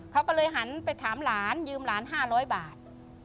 เขาก็เลยหันไปถามหลานยืมหลาน๕๐๐บาท